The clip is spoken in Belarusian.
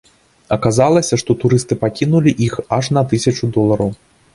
Аказалася, што турысты пакінулі іх аж на тысячу долараў.